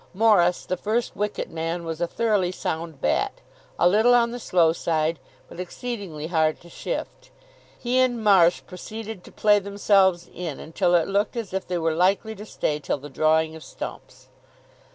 Morris, the first wicket man, was a thoroughly sound bat, a little on the slow side, but exceedingly hard to shift. He and Marsh proceeded to play themselves in, until it looked as if they were likely to stay till the drawing of stumps.